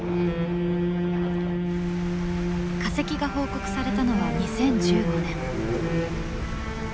化石が報告されたのは２０１５年。